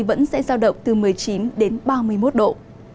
vẫn sẽ giao động từ một mươi chín đến ba mươi một độ